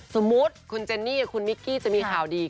สมมุติคุณเจนนี่คุณมิกกี้จะมีข่าวดี